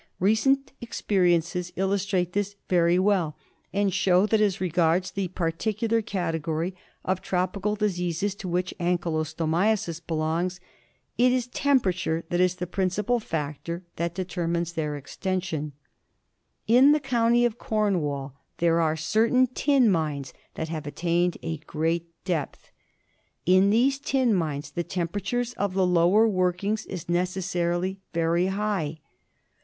Recent experiences illustrate this very well, and show that as regards the particular category of tropical diseases to which Ankylostomiasis belongs, it is tempera ture that is the principal factor that determines their extension. 24 ANKYLOSTOMIASIS In the county of Cornwall there are certain tin mines that have attained a great depth. In these deep mines the temperature of the lower workings is necessarily very high.